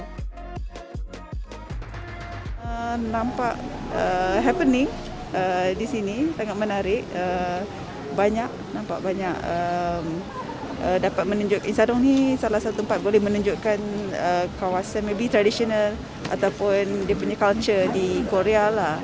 selain itu di insadong juga ada banyak tempat yang menarik dan menarik untuk menunjukkan kawasan kawasan tradisional dan kulturnya di korea